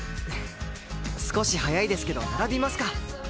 少し早いですけど並びますか。